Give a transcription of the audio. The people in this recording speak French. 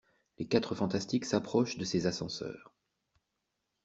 Les Quatre Fantastiques s'approchent de ces ascenseurs.